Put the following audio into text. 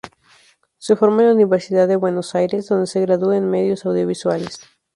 Se forma en la Universidad de Buenos Aires donde se gradúa en Medios Audiovisuales.